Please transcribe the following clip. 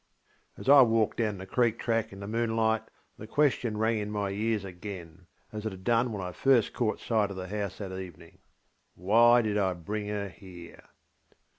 As I walked down the creek track in the moonlight the question rang in my ears again, as it had done when I first caught sight of the house that eveningŌĆö ŌĆśWhy did I bring her here?